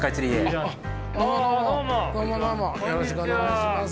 よろしくお願いします。